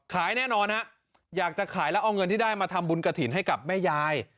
แน่นอนฮะอยากจะขายแล้วเอาเงินที่ได้มาทำบุญกระถิ่นให้กับแม่ยาย